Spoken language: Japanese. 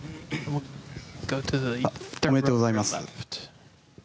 おめでとうございます。